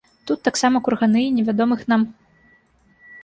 Тут таксама курганы і невядомых нам.